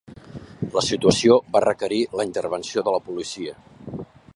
La situació va requerir la intervenció de la policia.